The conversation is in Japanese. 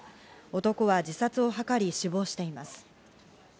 男は自殺を図り死亡しています。